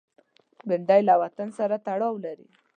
بېنډۍ له وطن سره تړاو لري